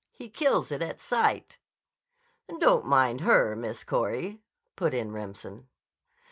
He kills it at sight." "Don't mind her, Miss Corey," put in Remsen.